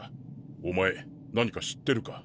お前何か知ってるか？